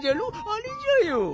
あれじゃよ！